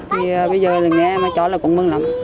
thì bây giờ là nghe mấy chó là cũng mừng lắm